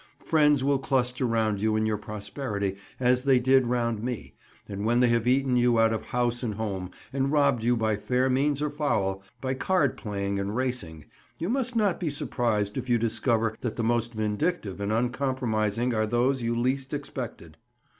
Friends will cluster round you in your prosperity as they did round me, and when they have eaten you out of house and home, and robbed you by fair means or foul, by card playing and racing, you must not be surprised if you discover that the most vindictive and uncompromising are those you least expected.